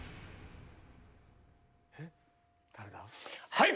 はい！